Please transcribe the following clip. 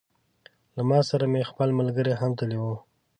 له ما سره مې خپل ملګري هم تللي وه.